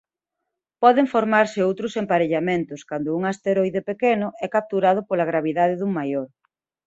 Poden formarse outros emparellamentos cando un asteroide pequeno é capturado pola gravidade dun maior.